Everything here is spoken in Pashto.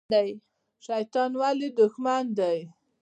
شیطان ولې دښمن دی؟